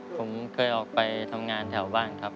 ผมเคยออกไปทำงานแถวบ้านครับ